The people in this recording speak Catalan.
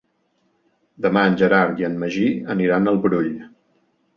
Demà en Gerard i en Magí aniran al Brull.